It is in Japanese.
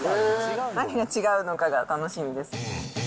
何が違うのかが楽しみです。